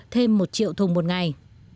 thêm một triệu thùng một ngày